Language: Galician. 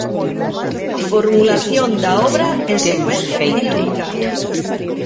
A formulación da obra en secuencia fílmica.